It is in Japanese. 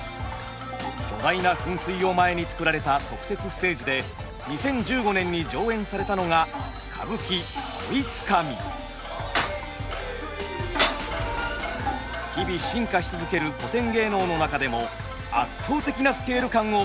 巨大な噴水を前に作られた特設ステージで２０１５年に上演されたのが日々進化し続ける古典芸能の中でも圧倒的なスケール感を持つ演目。